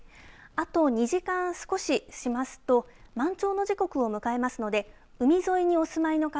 あと２時間少ししますと満潮の時刻を迎えますので海沿いにお住まいの方